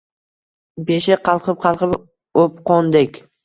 Beshik qalqib-qalqib o‘pqondek